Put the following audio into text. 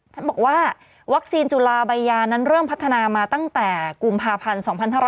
ท่านบอกว่าวัคซีนจุลาใบยานั้นเริ่มพัฒนามาตั้งแต่กุมภาพันธ์๒๕๖๐